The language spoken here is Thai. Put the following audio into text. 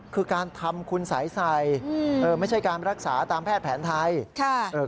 คือการทำคุณสัยใส่เออไม่ใช่การรักษาตามแพทย์แผนไทย